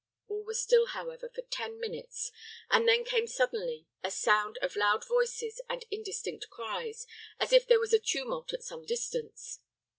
All was still, however, for ten minutes, and then came suddenly a sound of loud voices and indistinct cries, as if there was a tumult at some distance.